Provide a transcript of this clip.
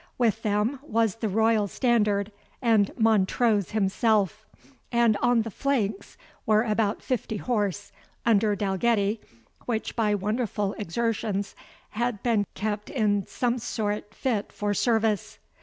With them was the royal standard, and Montrose himself; and on the flanks were about fifty horse, under Dalgetty, which by wonderful exertions had been kept in some sort fit for service.